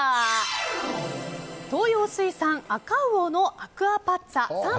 東洋水産の赤魚のアクアパッツァ。